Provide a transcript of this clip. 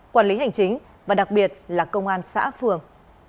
quản lý hành chính và đặc biệt là công an xã phường